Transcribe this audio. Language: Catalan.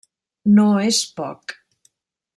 No és poc.